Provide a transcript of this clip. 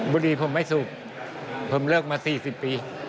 บุรีผมไม่สูบผมเลิกมา๔๐ปี